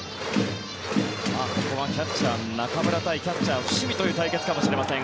ここはキャッチャー、中村対キャッチャー、伏見という対決かもしれません。